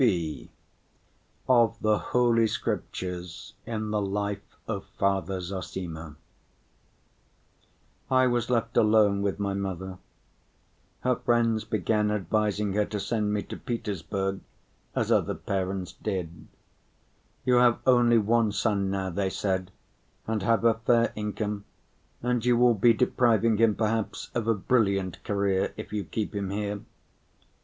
(b) Of the Holy Scriptures in the Life of Father Zossima I was left alone with my mother. Her friends began advising her to send me to Petersburg as other parents did. "You have only one son now," they said, "and have a fair income, and you will be depriving him perhaps of a brilliant career if you keep him here."